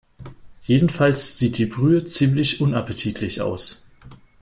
Jedenfalls sieht die Brühe ziemlich unappetitlich aus.